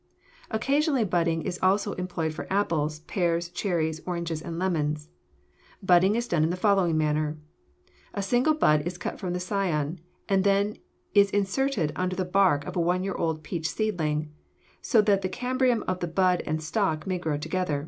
Occasionally budding is also employed for apples, pears, cherries, oranges, and lemons. Budding is done in the following manner. A single bud is cut from the scion and is then inserted under the bark of a one year old peach seedling, so that the cambium of the bud and stock may grow together.